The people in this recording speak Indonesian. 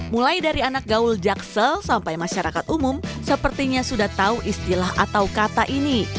mulai dari anak gaul jaksel sampai masyarakat umum sepertinya sudah tahu istilah atau kata ini